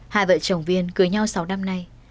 hai vợ chồng viên cưới nhau sau năm nay